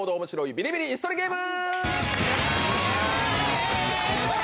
ビリビリイス取りゲーム」